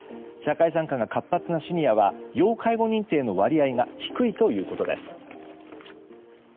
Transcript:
社会参加が活発なシニアは要介護認定の割合が低いということです。